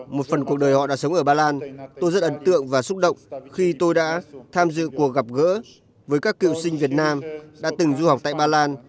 một phần cuộc đời họ đã sống ở ba lan tôi rất ấn tượng và xúc động khi tôi đã tham dự cuộc gặp gỡ với các cựu sinh việt nam đã từng du học tại ba lan